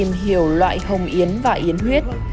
tiếp tục tìm hiểu loại hồng yến và yến huyết